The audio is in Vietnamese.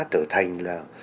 tở thành là